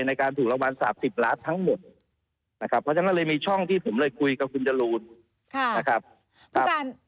ในการถูกรางวัล๓๐ล้านทั้งหมดนะครับเพราะฉะนั้นเลยมีช่องที่ผมเลยคุยกับคุณจรูนนะครับ